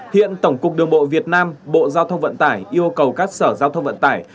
hiện tổng cục đường bộ việt nam bộ giao thông vận tải yêu cầu các sở giao thông vận tải